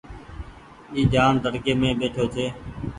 اي جآن تڙڪي مين ٻيٺو ڇي۔